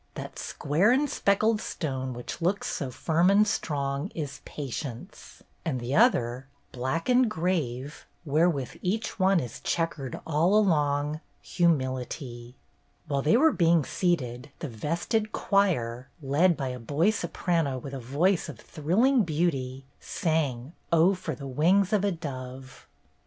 that square & speckled stone Which looks so firm and strong, Is Patience* " And th* other black and grave, wherewith each one Is checker'd all along, HumilitieP While they were being seated, the vested choir, led by a boy soprano with a voice of thrilling beauty, sang "Oh, for the Wings of a Dove!"